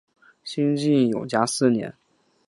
西晋永嘉四年。